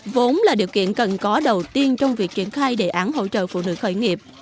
vốn là điều kiện cần có đầu tiên trong việc triển khai đề án hỗ trợ phụ nữ khởi nghiệp